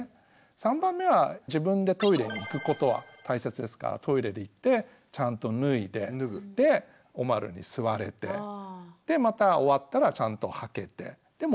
３番目は自分でトイレに行くことは大切ですからトイレで行ってちゃんと脱いでおまるに座れてでまた終わったらちゃんとはけてで戻ってこれる。